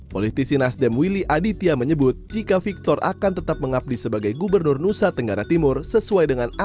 politisi nasdem willy aditya menyebut jika victor akan tetap mengabdi sebagai gubernur nusa tenggara timur sesuai dengan harapan